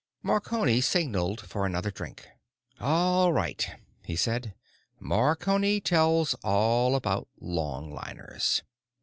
Marconi signaled for another drink. "All right," he said. "Marconi tells all about longliners.